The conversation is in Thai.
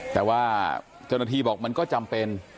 แต่ว่าเจ้าหน้าที่บอกมันก็จำเป็น